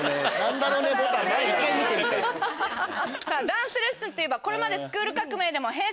ダンスレッスンといえばこれまで『スクール革命！』でもＨｅｙ！